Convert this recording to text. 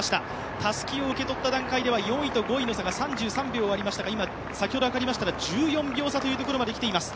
たすきを受け取った段階では４位と５位の差が３３秒ありましたが、先ほどはかりましたら１４秒差まで来ています。